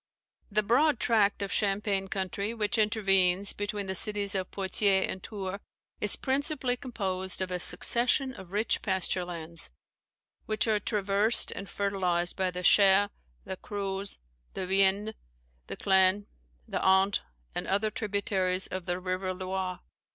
The broad tract of champaign country which intervenes between the cities of Poictiers and Tours is principally composed of a succession of rich pasture lands, which are traversed and fertilized by the Cher, the Creuse, the Vienne, the Claine, the Indre, and other tributaries of the river Loire.